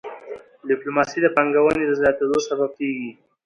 ډيپلوماسي د پانګوني د زیاتيدو سبب کېږي.